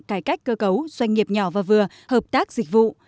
cải cách cơ cấu doanh nghiệp nhỏ và vừa hợp tác dịch vụ